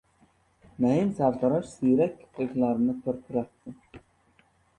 Naim sartarosh siyrak kipriklarini pirpiratdi.